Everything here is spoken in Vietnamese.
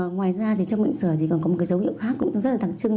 ngoài ra thì trong bệnh sở thì còn có một cái dấu hiệu khác cũng rất là đặc trưng